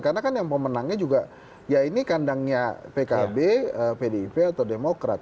karena kan yang pemenangnya juga ya ini kandangnya pkb pdip atau demokrat